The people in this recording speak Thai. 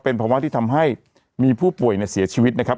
เป็นภาวะที่ทำให้มีผู้ป่วยเสียชีวิตนะครับ